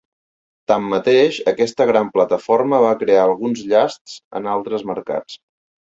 Tanmateix, aquesta gran plataforma va crear alguns llasts en altres mercats.